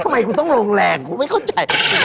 ทำไมคุณต้องลงแรงคุณไม่เข้าใจ